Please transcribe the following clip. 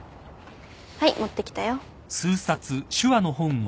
はい持ってきたよ。